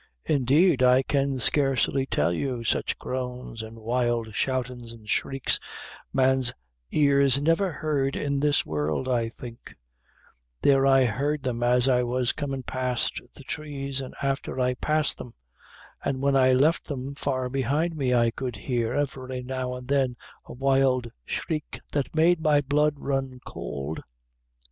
"Indeed, I can scarcely tell you sich groans, an' wild shoutins, an' shrieks, man's ears never hard in this world, I think; there I hard them as I was comin' past the trees, an' afther I passed them; an' when I left them far behind me, I could hear, every now and then, a wild shriek that made my blood run cowld.